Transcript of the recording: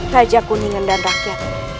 raja kuningan dan rakyat